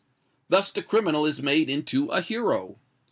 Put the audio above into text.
Thus the criminal is made into a hero!